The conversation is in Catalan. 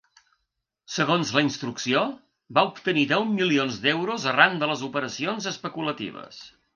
Segons la instrucció, va obtenir deu milions d’euros arran de les operacions especulatives.